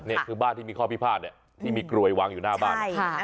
นี่คือบ้านที่มีข้อพิพาทที่มีกรวยวางอยู่หน้าบ้าน